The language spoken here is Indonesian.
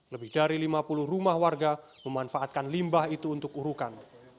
lebih dari lima puluh rumah warga memanfaatkan limbah itu untuk urukan